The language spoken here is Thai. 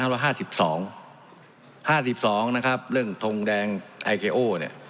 ๕๒เรื่องทงแดงไอเคโอ